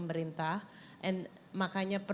terima kasih mainrene